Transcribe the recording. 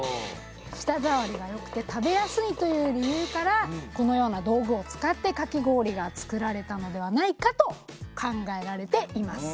舌ざわりがよくて食べやすいという理由からこのような道具を使ってかき氷が作られたのではないかと考えられています。